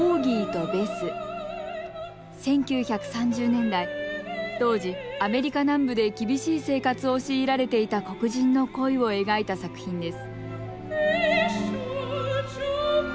１９３０年代当時アメリカ南部で厳しい生活を強いられていた黒人の恋を描いた作品です